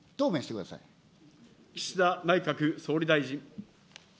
岸田内閣総理大臣。